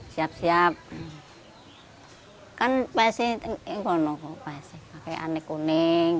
setiap hari saya harus selanjutnya